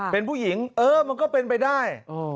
เป็นผู้หญิงเออมันก็เป็นไปได้